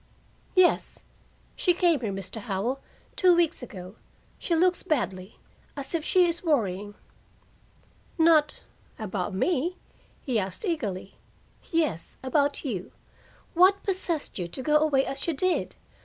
"Yes. She came here, Mr. Howell, two weeks ago. She looks badly as if she is worrying." "Not about me?" he asked eagerly. "Yes, about you. What possessed you to go away as you did?